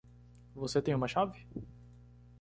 Você tem uma chave?